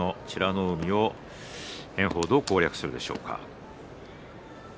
海を炎鵬は、どう攻略するでしょうか。